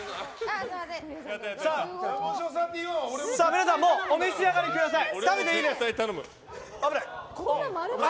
皆さんもうお召し上がりください。